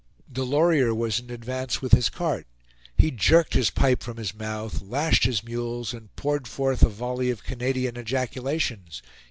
Delorier was in advance with his cart; he jerked his pipe from his mouth, lashed his mules, and poured forth a volley of Canadian ejaculations.